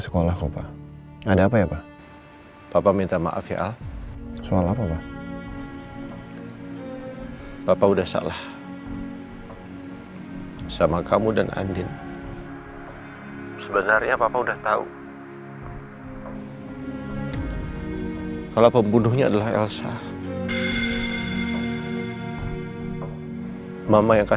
sampai jumpa di video selanjutnya